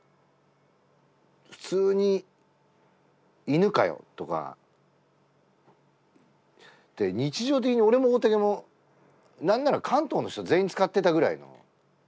普通に「犬かよ！」とか日常的に俺も大竹も何なら関東の人全員使ってたぐらいの。